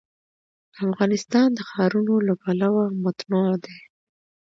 افغانستان د ښارونه له پلوه متنوع دی.